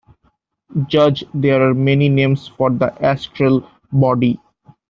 Judge There are many names for the Astral Body.